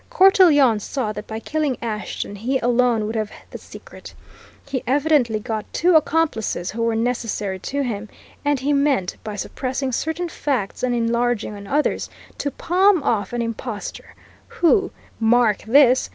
Cortelyon saw that by killing Ashton he alone would have the secret; he evidently got two accomplices who were necessary to him, and he meant, by suppressing certain facts and enlarging on others, to palm off an impostor who mark this!